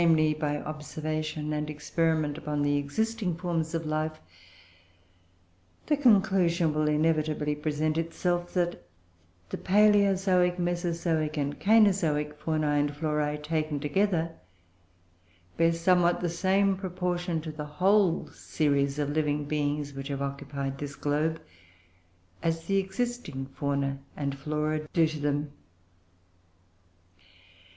by observation and experiment upon the existing forms of life, the conclusion will inevitably present itself, that the Palaeozoic Mesozoic, and Cainozoic faunae and florae, taken together, bear somewhat the same proportion to the whole series of living beings which have occupied this globe, as the existing fauna and flora do to them.